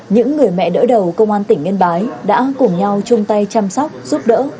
những người mẹ đỡ đầu công an tỉnh yên bái đã cùng nhau chung tay chăm sóc giúp đỡ